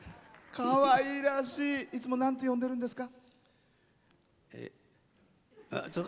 かわいらしい！いつも、なんて呼んでるんですか。